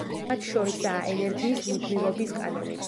მათ შორისაა ენერგიის მუდმივობის კანონიც.